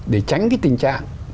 để tránh cái tình trạng